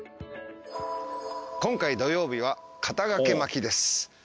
今回土曜日は肩掛け巻きです。